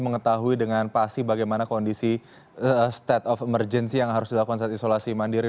mengetahui dengan pasti bagaimana kondisi state of emergency yang harus dilakukan saat isolasi mandiri